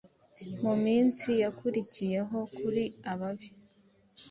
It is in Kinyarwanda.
Mu minsi yakurikiyeho kuri ababi